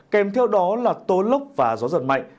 kèm theo đó là tố lốc và gió giật mạnh